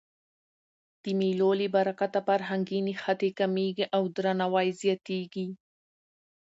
د مېلو له برکته فرهنګي نښتي کمېږي او درناوی زیاتېږي.